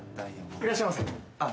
・いらっしゃいませ。